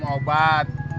udah mau minum obat